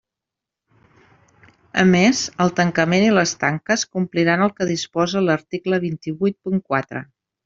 A més el tancament i les tanques compliran el que disposa l'article vint-i-huit punt quatre.